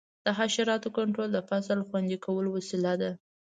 د حشراتو کنټرول د فصل د خوندي کولو وسیله ده.